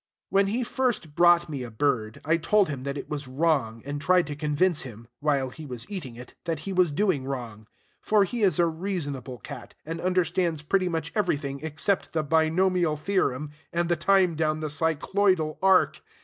When he first brought me a bird, I told him that it was wrong, and tried to convince him, while he was eating it, that he was doing wrong; for he is a reasonable cat, and understands pretty much everything except the binomial theorem and the time down the cycloidal arc.